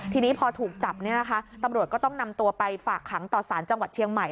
ทีนี้พอถูกจับเนี่ยนะคะตำรวจก็ต้องนำตัวไปฝากขังต่อสารจังหวัดเชียงใหม่